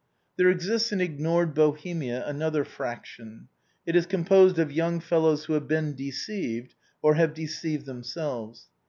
Tbore exists in ignored Bohemia another fraction; it is ORIGINAL PREFACE. XXxix composed of young fellows who have been deceived, or who have deceived themselves.